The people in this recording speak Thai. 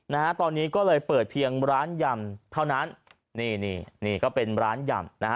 นะฮะตอนนี้ก็เลยเปิดเพียงร้านยำเท่านั้นนี่นี่ก็เป็นร้านยำนะฮะ